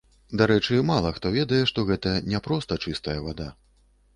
Дарэчы, мала хто ведае, што гэта не проста чыстая вада.